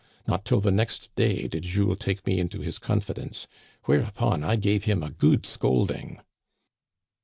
Not till the next day did Jules take me into his confidence, whereupon I gave him a good scolding."